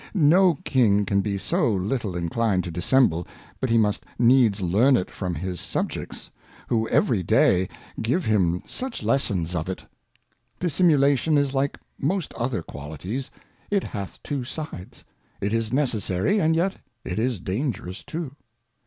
No King can be so little inclined to dissemble but he must needs learn it from his Subjects, who every Day give him such Lessons 192 A Character of Lessons of it. Dissimulation is like most other Qualities, it hath two Sides ; it is necessary, and yet it is dangerous too.